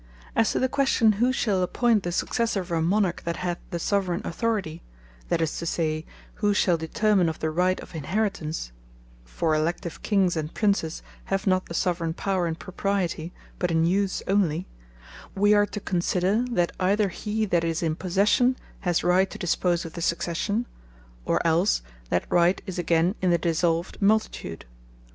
As to the question, who shall appoint the Successor, of a Monarch that hath the Soveraign Authority; that is to say, (for Elective Kings and Princes have not the Soveraign Power in propriety, but in use only,) we are to consider, that either he that is in possession, has right to dispose of the Succession, or else that right is again in the dissolved Multitude.